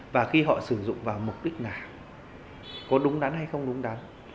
và khi họ sử dụng vào mục đích nào có đúng đắn hay không đúng đắn